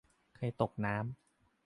เคยตกน้ำ